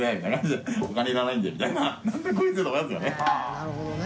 なるほどね。